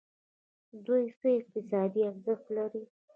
دوی څه اقتصادي ارزښت لري.